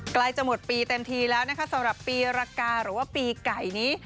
ใกล้จะหมดปีเต็มทีแล้วนะคะสำหรับปีรกาหรือว่าปีไก่นี้